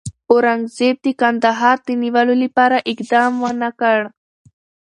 اورنګزېب د کندهار د نیولو لپاره اقدام ونه کړ.